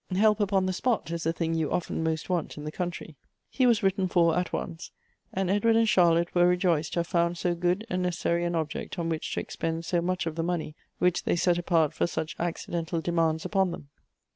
Help upon the spot, is the thing you often most want in the country." He was written for at once ; and Edward and Charlotte were rejoiced to have found so good and necessary an object, on which to expend so much of the money which they set apart for such accidental demands upon them.